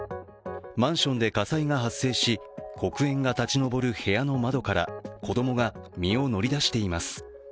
マンションで火災が発生し黒煙が立ち上る部屋の窓から子供が身を乗り出しています。